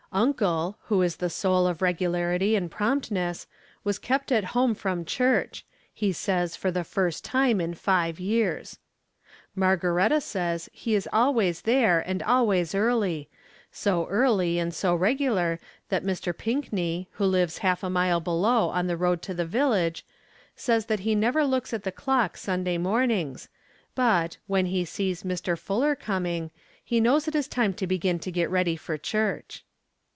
Uncle, who is the soul of regu larity and promptness, was kept at home from church — ^he says for the first time in five years. Margaretta says he is always there, and always early — so early and so regular that Mr. Pinck ney, who lives half a mile below on the road to the village, says that he never looks at the clock Sunday mornings, but, when he sees Mr. Fuller coming, he Icnows it is time to begin to get ready for church